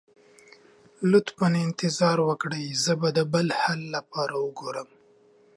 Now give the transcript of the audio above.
لطفا انتظار وکړئ، زه به د بل حل لپاره وګورم.